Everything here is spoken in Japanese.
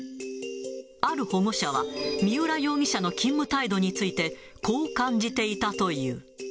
ある保護者は、三浦容疑者の勤務態度について、こう感じていたという。